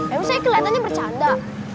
emang saya kelihatannya bercanda